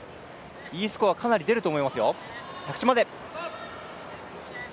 Ｅスコア、かなり出ると思いますよ。